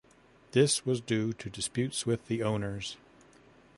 This was due to disputes with the owners.